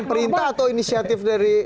ada perintah atau inisiatif dari ini